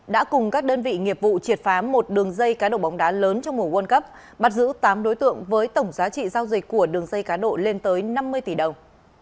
đã cùng các đơn vị nghiệp vụ triệt phá một đường dây cá độ bóng đá lớn trong mùa world cup bắt giữ tám đối tượng với tổng giá trị giao dịch của đường dây cá độ lên tới năm mươi tỷ đồng